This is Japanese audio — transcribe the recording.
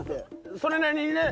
それなりにね